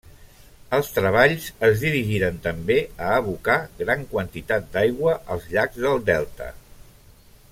Els treballs es dirigiren també a abocar gran quantitat d'aigua als llacs del delta.